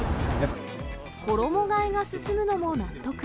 衣がえが進むのも納得。